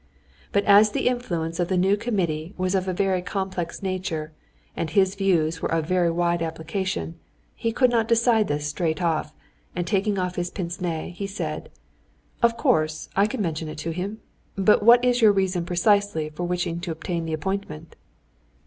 But as the influence of the new committee was of a very complex nature, and his views were of very wide application, he could not decide this straight off, and taking off his pince nez, he said: "Of course, I can mention it to him; but what is your reason precisely for wishing to obtain the appointment?"